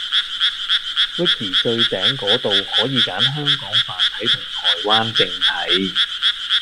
Wiki 最頂果度可以揀香港繁體同台灣正體